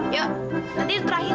yuk nanti itu terakhir deh